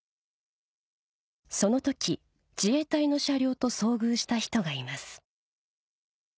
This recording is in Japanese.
その時自衛隊の車両と遭遇した人がいます